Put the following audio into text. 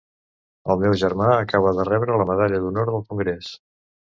El meu germà acaba de rebre la medalla d'honor del congrés.